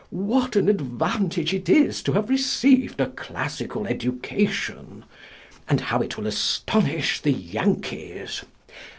What an advantage it is to have received a classical education! And how it will astonish the Yankees!